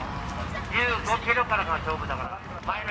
１５ｋｍからが勝負だから。